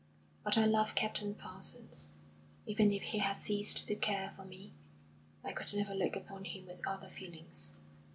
But I love Captain Parsons. Even if he has ceased to care for me, I could never look upon him with other feelings."